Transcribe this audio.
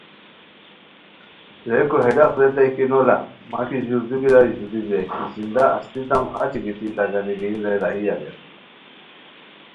ریکو ہے ڈاق ریتائے کی نولا مہ کی ژوردو بیرانی ژوردو بیرانی، کی زندہ استیتام اچی گیتی تہ گانی بیم رے راہی اریر